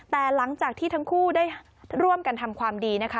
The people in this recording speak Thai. แต่หลังจากที่ทั้งคู่ได้ร่วมกันทำความดีนะคะ